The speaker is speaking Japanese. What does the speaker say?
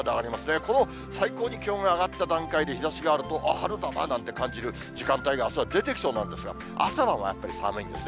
この最高に気温が上がった段階で日ざしがあると、あっ、春だなと感じる時間帯があすは出てきそうなんですが、朝晩はやっぱり寒いんですね。